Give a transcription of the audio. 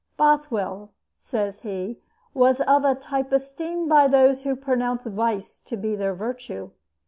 Bothwell, says he, was of a type esteemed by those who pronounce vice to be their virtue.